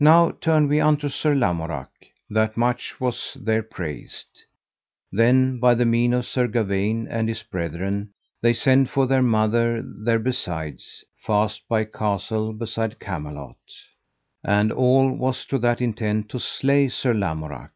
Now turn we unto Sir Lamorak, that much was there praised. Then, by the mean of Sir Gawaine and his brethren, they sent for their mother there besides, fast by a castle beside Camelot; and all was to that intent to slay Sir Lamorak.